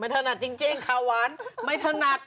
ไม่ถนัดจริงค่ะวันไม่ถนัด